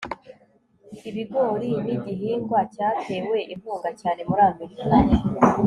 ibigori nigihingwa cyatewe inkunga cyane muri amerika